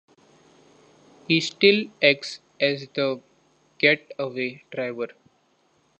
He still acts as the get-away driver.